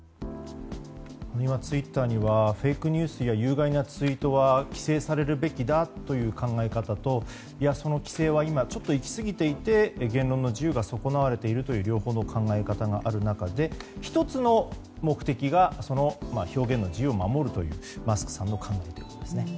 ツイッターにはフェイクニュースや有害なツイートは規制されるべきだという考え方とその規制はいき過ぎていて言論の自由が損なわれているという両方の考え方がある中で１つの目的が表現の自由を守るというマスクさんの考えですね。